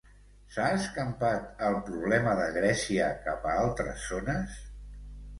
S'ha escampat el problema de Grècia cap a altres zones?